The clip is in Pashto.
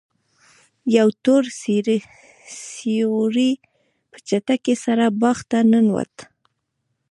یو تور سیوری په چټکۍ سره باغ ته ننوت.